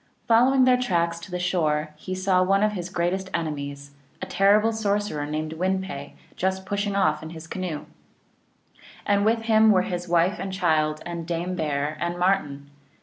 Following their tracks to the shore he saw one of his greatest enemies, a terrible sorcerer named Win pe, just pushing off in his canoe. And with him were his wife and child and Dame Bear and Martin.